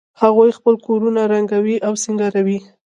هغوی خپل کورونه رنګوي او سینګاروي